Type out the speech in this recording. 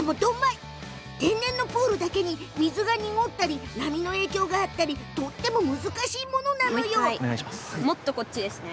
天然のプールだけに水が濁ったり波の影響があったり難しいのよね。